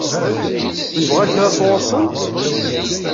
Yebɣa kra sɣur-sent?